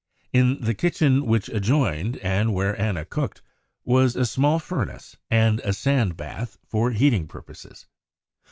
In the kitchen which adjoined, and where Anna cooked, was a small furnace and a sand bath for heating purposes."